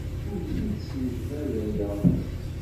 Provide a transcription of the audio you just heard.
Ur tent-snejbadayeɣ.